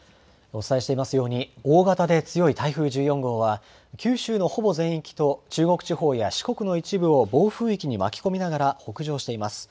お伝えしていますように、大型で強い台風１４号は、九州のほぼ全域と中国地方や四国の一部を暴風域に巻き込みながら北上しています。